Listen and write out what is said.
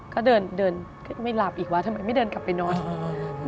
ก็เดินเดินไม่หลับอีกวะทำไมไม่เดินกลับไปนอน